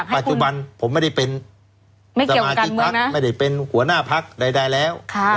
ปัจจุบันผมไม่ได้เป็นสมาชิกพักไม่ได้เป็นหัวหน้าพักใดแล้ว